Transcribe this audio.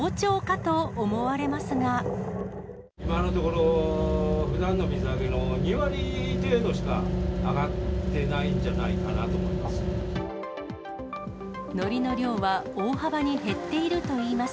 今のところ、ふだんの水揚げの２割程度しか揚がってないんじゃないかなと思います。